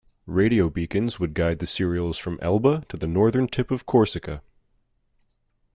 Radio beacons would guide the serials from Elba to the northern tip of Corsica.